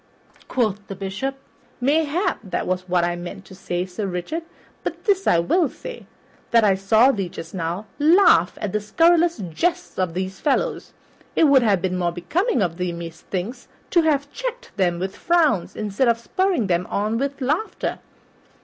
Quoth the Bishop, "Mayhap that was what I meant to say, Sir Richard; but this I will say, that I saw thee just now laugh at the scurrilous jests of these fellows. It would have been more becoming of thee, methinks, to have checked them with frowns instead of spurring them on by laughter."